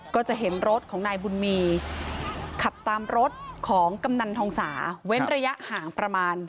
ก็จะเห็นรถของนายบุญมีคาบตามรถของกำนันทองสา